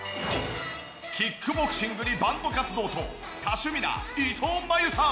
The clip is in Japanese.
キックボクシングにバンド活動と多趣味な伊藤万由さん。